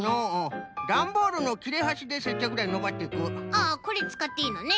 ああこれつかっていいのね。